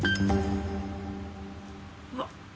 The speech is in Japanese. うわっ